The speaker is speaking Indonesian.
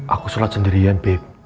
aku sholat sendirian beb